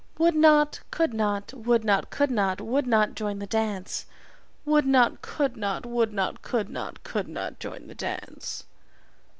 Would not, could not, would not, could not, would not join the dance. Would not, could not, would not, could not, could not join the dance.